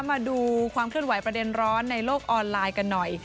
มาดูความเคลื่อนไหวประเด็นร้อนในโลกออนไลน์กันหน่อย